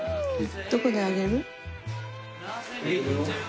どこであげる？